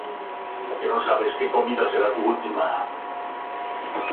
Trías Fargas fue elegido primer presidente de la nueva formación.